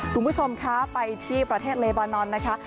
คุณผู้ชมคะไปที่ประเทศเลบานอนนะคะ